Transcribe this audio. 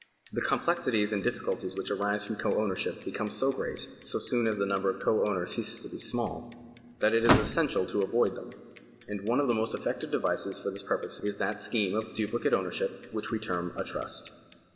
The complexities and difficulties which arise from co ownership become so great, so soon as the number of co owners ceases to be small, that it is essential to avoid them ; and one of the most effective devices for this purpose is that scheme of duplicate ownership which we term a trust.